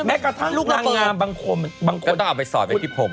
แม้กระทั่งยางงามบางคนเนี่ยมันควรน้องกล๊อปก็ต้องเอาไปซอดไว้ที่ผม